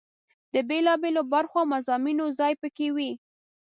د بېلا بېلو برخو او مضامینو ځای په کې وي.